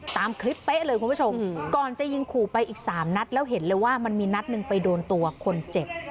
ตามคลิปเป๊ะเลยคุณผู้ชมก่อนจะยิงขู่ไปอีกสามนัดแล้วเห็นเลยว่ามันมีนัดหนึ่งไปโดนตัวคนเจ็บ